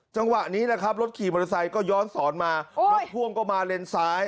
จังหวะนี้แหละครับรถขี่มอเตอร์ไซค์ก็ย้อนสอนมารถพ่วงก็มาเลนซ้าย